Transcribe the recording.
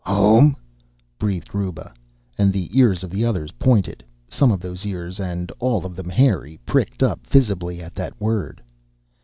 "Home!" breathed Ruba, and the ears of the others pointed, some of those ears, and all of them hairy pricked up visibly at that word.